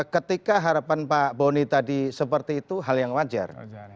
ketika harapan pak boni tadi seperti itu hal yang wajar